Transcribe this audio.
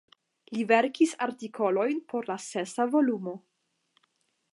Li verkis artikolojn por la sesa volumo.